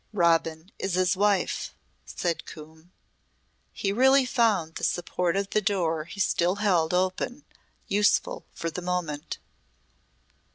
"Robin is his wife," said Coombe. He really found the support of the door he still held open, useful for the moment.